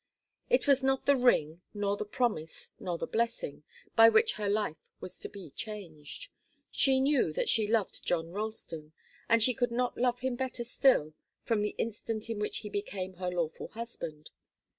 It was not the ring, nor the promise nor the blessing, by which her life was to be changed. She knew that she loved John Ralston, and she could not love him better still from the instant in which he became her lawful husband.